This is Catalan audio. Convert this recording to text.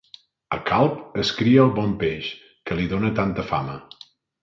A Calp es cria el bon peix, que li dona tanta fama.